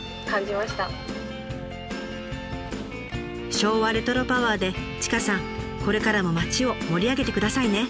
昭和レトロパワーで千賀さんこれからも町を盛り上げてくださいね。